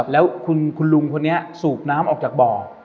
แล้วคุณลุงคนนี้สูบน้ำออกจากบ่อ